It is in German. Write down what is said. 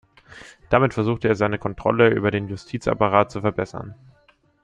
Damit versuchte er seine Kontrolle über den Justizapparat zu verbessern.